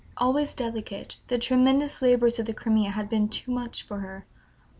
Always delicate, the tremendous labors of the Crimea had been too much for her.